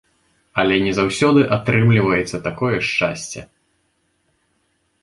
Але не заўсёды атрымліваецца такое шчасце!